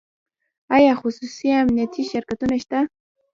آیا خصوصي امنیتي شرکتونه شته؟